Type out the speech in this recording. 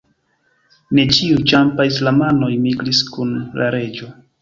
Ne ĉiuj Ĉampa-islamanoj migris kun la reĝo.